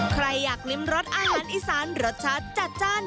ใครอยากริมรสอาหารอีสานรสชาติจัดจ้าน